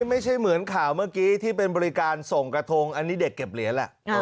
ไม่ใช่เหมือนข่าวเมื่อกี้ที่เป็นบริการส่งกระทงอันนี้เด็กเก็บเหรียญแหละ